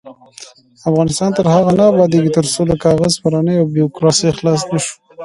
افغانستان تر هغو نه ابادیږي، ترڅو له کاغذ پرانۍ او بیروکراسۍ خلاص نشو.